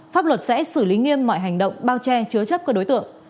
pháp luật sẽ xử lý nghiêm mọi hành động bao che chứa chấp các đối tượng